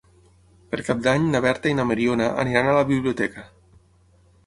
Per Cap d'Any na Berta i na Mariona aniran a la biblioteca.